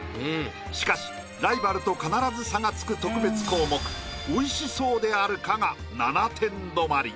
しかしライバルと必ず差がつく特別項目美味しそうであるかが７点止まり。